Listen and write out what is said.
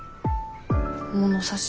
物差し？